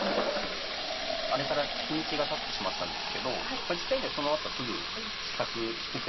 あれから日にちがたってしまったんですけど実際にはそのあとすぐ試作作ってまして。